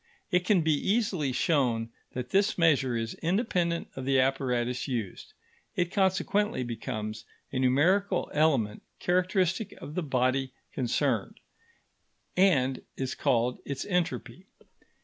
It can be easily shown that this measure is independent of the apparatus used. It consequently becomes a numerical element characteristic of the body considered, and is called its entropy.